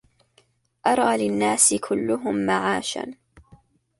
أرى للناس كلهم معاشا